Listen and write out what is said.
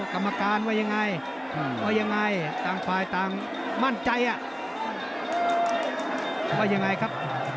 กรรมการว่ายังไงว่ายังไงต่างฝ่ายต่างมั่นใจว่ายังไงครับ